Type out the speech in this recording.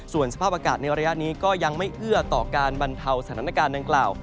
ส่วนสภาพอากาศในระยะนี้ก็ยังไม่เอื้อต่อการบรรเทาสถานการณ์ดังกล่าว